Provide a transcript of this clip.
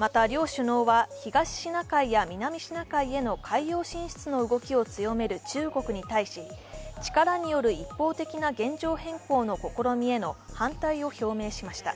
また両首脳は東シナ海や南シナ海への海洋進出への動きを強める中国に対し力による一方的な現状変更の試みへの反対を表明しました。